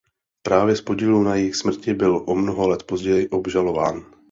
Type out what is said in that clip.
Právě z podílu na jejich smrti byl o mnoho let později obžalován.